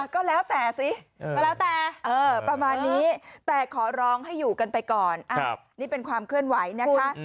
ก็แล้วแต่สิก็แล้วแต่ประมาณนี้แต่ขอร้องให้อยู่กันไปก่อนนี่เป็นความเคลื่อนไหวนะคะ